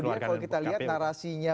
kalau kita lihat narasinya